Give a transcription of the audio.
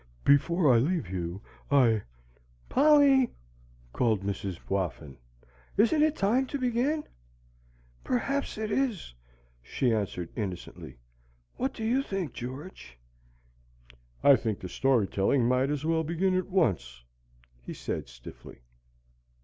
Before I leave you, I " "Polly," called Mrs. Whoffin, "isn't it time to begin?" "Perhaps it is," she answered innocently. "What do you think, George?" "I think the story telling might as well begin at once," he said stiffly.